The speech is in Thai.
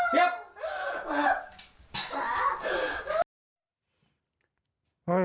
เตรียบ